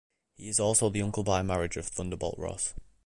He is also the uncle-by-marriage of Thunderbolt Ross.